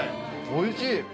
おいしい。